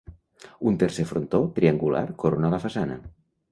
Un tercer frontó, triangular, corona la façana.